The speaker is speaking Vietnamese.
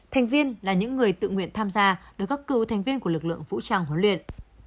thành viên là những người tự nguyện tham gia được các cựu thành viên của lực lượng vũ trang huấn luyện